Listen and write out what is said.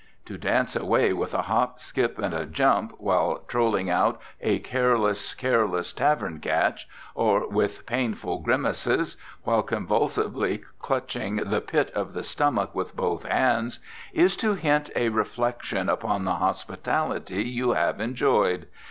To dance away with a hop, skip and a jump, while trolling out "a careless, careless tavern catch," or with painful grimaces, while convulsively clutching the pit of the stomach with both hands, is to hint a reflection upon the hospitality you have enjoyed.